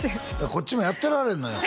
こっちもやってられへんのよ